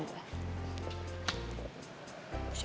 siapa yang kepo